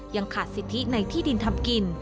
ยังขาดสิทธิในที่ดินทำกิน